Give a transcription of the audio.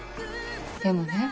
でもね